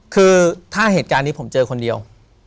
คือถ้าเหตุการณ์นี้ผมเจอคนเดียว